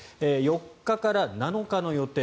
４日から７日の予定